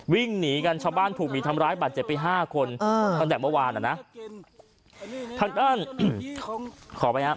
วิ่งหนีกันชาวบ้านถูกมีทำร้ายบันเจ็บไปห้าคนเออตั้งแต่เมื่อวานอะน่ะ